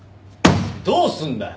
どうすんだよ！